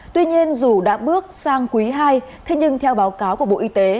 tuy nhiên dù đã bước sang quý ii thế nhưng theo báo cáo của bộ y tế